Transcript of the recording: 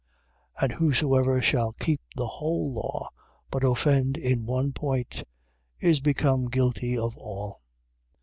2:10. And whosoever shall keep the whole law, but offend in one point, is become guilty of all.